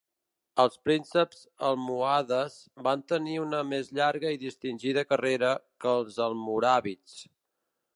Els prínceps almohades van tenir una més llarga i distingida carrera que els almoràvits.